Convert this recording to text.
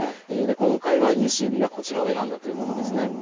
今回はＥＣＢはこちらを選んだということですね。